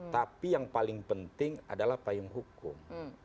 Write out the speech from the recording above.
tapi yang paling penting adalah payung hukum